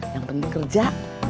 yang penting kerja